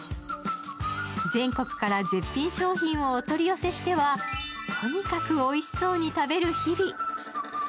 全国から絶品商品をお取り寄せしてはとにかくおいしそうに食べる日々。